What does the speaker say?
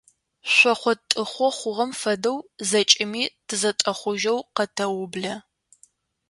Шъохъо-тӏыхъо хъугъэм фэдэу зэкӏэми тызэтӏэхъужьэу къэтэублэ.